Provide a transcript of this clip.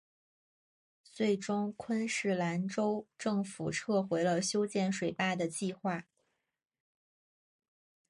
最终昆士兰州政府撤回了修建水坝的计划。